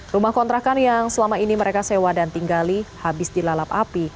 rumah kontrakan yang selama ini mereka sewa dan tinggali habis dilalap api